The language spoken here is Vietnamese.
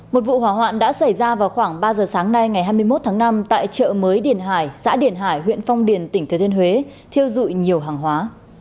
một vụ hỏa hoạn đã xảy ra vào khoảng ba giờ sáng nay ngày hai mươi một tháng năm tại chợ mới điển hải xã điển hải huyện phong điền tỉnh thừa thiên huế thiêu dụi nhiều hàng hóa